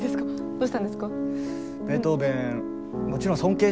どうしたんですか？